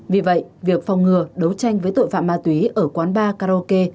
vì vậy việc phòng ngừa đấu tranh với tội phạm ma túy ở quán bar karaoke